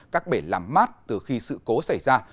các bể làm mát từ khi sự cố xảy ra